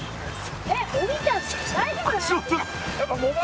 えっお兄ちゃん大丈夫？足元が。